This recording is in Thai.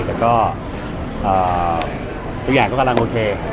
แต่ก็ทุกอย่างก็กำลังโอเค